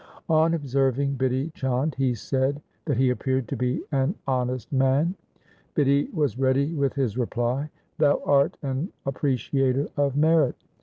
On observing Bidhi Chand he said that he appeared to be an honest man. Bidhi was ready with his reply, ' Thou art an appre ciator of merit.